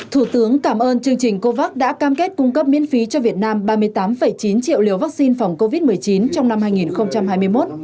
thủ tướng cảm ơn chương trình covax đã cam kết cung cấp miễn phí cho việt nam ba mươi tám chín triệu liều vaccine phòng covid một mươi chín trong năm hai nghìn hai mươi một